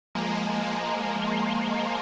aku mau ngasih tau kamu